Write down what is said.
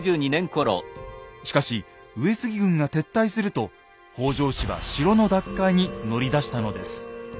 しかし上杉軍が撤退すると北条氏は城の奪回に乗り出したのです。